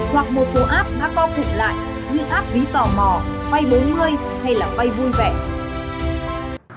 hoặc một số app đã co cục lại như app ví tò mò vay bốn mươi hay là vay vui vẻ